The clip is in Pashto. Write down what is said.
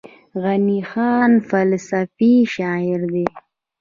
غني خان فلسفي شاعر دی.